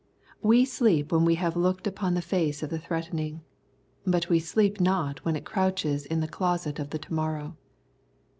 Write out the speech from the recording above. We sleep when we have looked upon the face of the threatening, but we sleep not when it crouches in the closet of the to morrow.